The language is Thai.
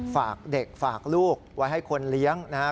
ฝากเด็กฝากลูกไว้ให้คนเลี้ยงนะครับ